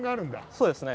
そうですね。